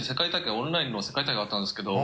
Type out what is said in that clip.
オンラインの世界大会あったんですけど。